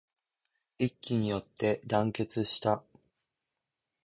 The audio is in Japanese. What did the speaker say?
一揆によって団結した